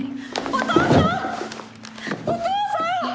お父さん！